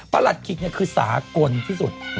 ประหลักฮิตเนี่ยคือสากลที่สุด